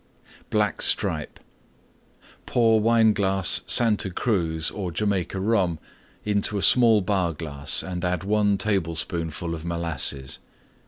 BLACK STRIPE Pour Wineglass Santa Cruz or Jamaica Rum into a small Bar glass and add 1 tablespoonful of Molasses.